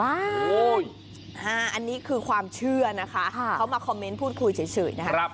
อันนี้คือความเชื่อนะคะเขามาคอมเมนต์พูดคุยเฉยนะคะ